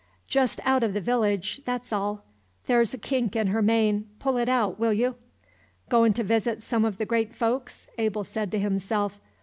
"Just out of the village, that 's all. There 's a kink in her mane, pull it out, will you?" "Goin' to visit some of the great folks," Abel said to himself.